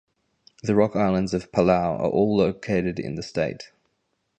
The Rock Islands of Palau are all located in the state.